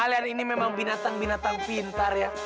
kalian ini memang binatang binatang pintar ya